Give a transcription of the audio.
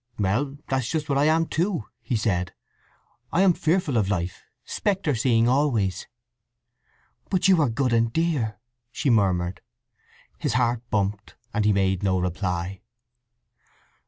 "Well, that's just what I am, too," he said. "I am fearful of life, spectre seeing always." "But you are good and dear!" she murmured. His heart bumped, and he made no reply.